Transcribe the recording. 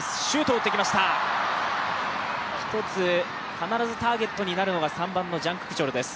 必ずターゲットになるのが３番のジャン・ククチョルです。